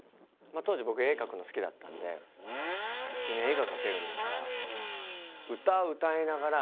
当時僕絵描くの好きだったんで「君絵が描けるんだから」